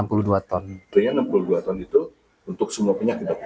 artinya enam puluh dua tahun itu untuk semua penyakit